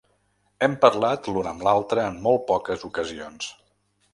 Hem parlat l’un amb l’altre en molt poques ocasions.